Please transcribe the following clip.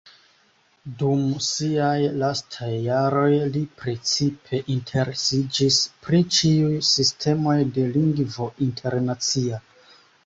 Dum siaj lastaj jaroj li precipe interesiĝis pri ĉiuj sistemoj de Lingvo Internacia.